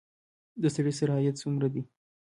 د سړي سر عاید څومره دی؟